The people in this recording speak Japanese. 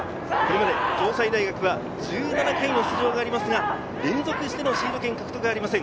城西大学はこれまで１７回の出場がありますが、連続してのシード権獲得はありません。